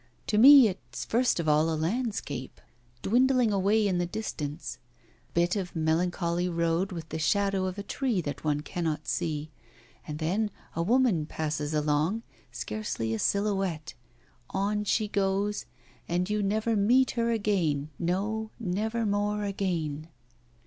To me it's first of all a landscape, dwindling away in the distance; a bit of melancholy road, with the shadow of a tree that one cannot see; and then a woman passes along, scarcely a silhouette; on she goes and you never meet her again, no, never more again.